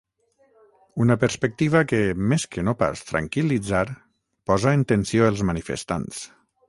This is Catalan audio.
Una perspectiva que, més que no pas tranquil·litzar, posa en tensió els manifestants.